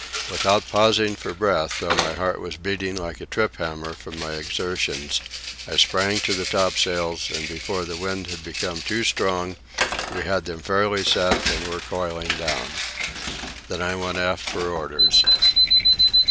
Without pausing for breath, though my heart was beating like a trip hammer from my exertions, I sprang to the topsails, and before the wind had become too strong we had them fairly set and were coiling down. Then I went aft for orders.